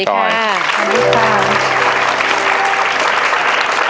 สวัสดีค่ะ